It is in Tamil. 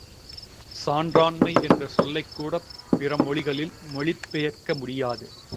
சான்றாண்மை என்ற சொல்லைக்கூடப் பிற மொழிகளில் மொழிபெயர்க்க முடியாது.